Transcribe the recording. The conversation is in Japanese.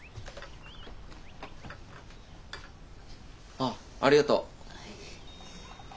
あっありがとう。